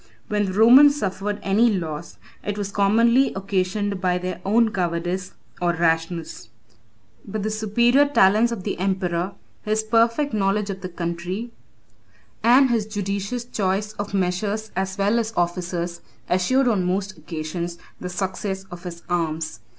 When the Romans suffered any loss, it was commonly occasioned by their own cowardice or rashness; but the superior talents of the emperor, his perfect knowledge of the country, and his judicious choice of measures as well as officers, assured on most occasions the success of his arms.